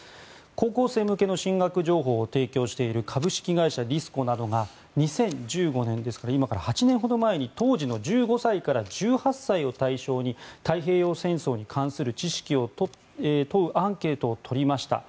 高校生向けの進学情報を提供している株式会社ディスコなどが２０１５年今から８年ほど前に当時の１５歳から１８歳を対象に太平洋戦争に関する知識を問うアンケートを取りました。